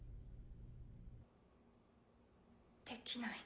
・できない。